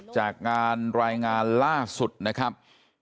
จากงานรายงานล่าสุดนะครับ